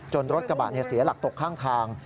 รถกระบะเสียหลักตกข้างทาง